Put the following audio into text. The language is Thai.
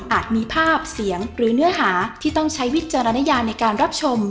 มีภาพเสียงหรือเนื้อหาที่ต้องใช้วิจารณญาในการรับชม